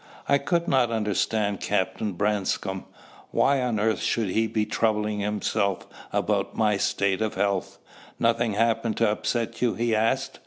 I could not understand Captain Branscome. Why on earth should he be troubling himself about my state of health? "Nothing happened to upset you?" he asked.